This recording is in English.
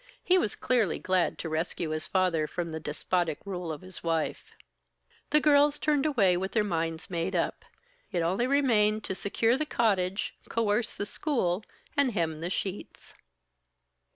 He was clearly glad to rescue his father from the despotic rule of his wife. The girls turned away with their minds made up. It only remained to secure the cottage, coerce the school, and hem the sheets.